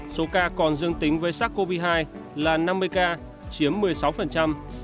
số ca còn dương tính với sars cov hai là năm mươi ca chiếm một mươi sáu